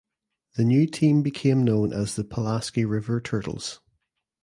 The new team became known as the Pulaski River Turtles.